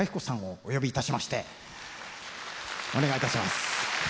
お願いいたします。